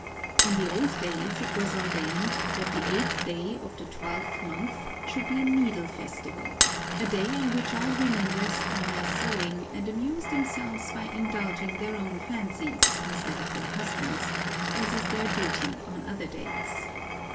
In the old days, it was ordained that the eighth day of the twelfth month should be a needle festival, a day on which all women rest from their sewing and amuse themselves by indulging their own fancies instead of their husbands', as is their duty on other days.